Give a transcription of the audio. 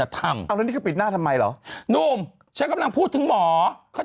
ปกป้องไปก่อน